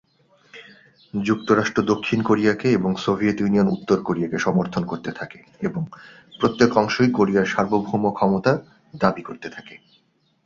যুক্তরাষ্ট্র দক্ষিণ কোরিয়াকে এবং সোভিয়েত ইউনিয়ন উত্তর কোরিয়াকে সমর্থন করতে থাকে এবং প্রত্যেক অংশই কোরিয়ার সার্বভৌম ক্ষমতা দাবি করতে থাকে।